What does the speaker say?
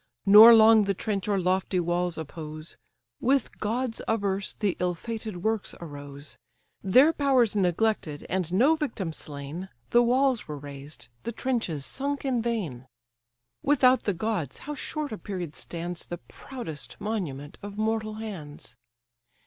Nor long the trench or lofty walls oppose; With gods averse the ill fated works arose; Their powers neglected, and no victim slain, The walls were raised, the trenches sunk in vain. Without the gods, how short a period stands The proudest monument of mortal hands!